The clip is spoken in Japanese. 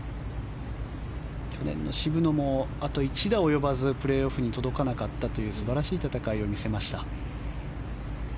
去年の渋野も、あと１打及ばずプレーオフに届かなかったという素晴らしい戦いを見せました。